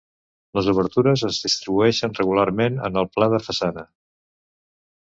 Les obertures es distribueixen regularment en el pla de façana.